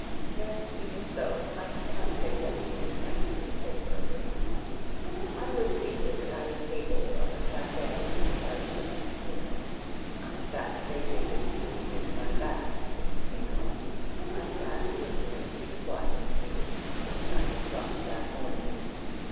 Yet even so I cannot say that she impressed me favourably. I was seated at a table of a cafe' on the terrace of a casino. I sat facing the sea, with my back to the casino. I sat listening to the quiet sea, which I had crossed that morning.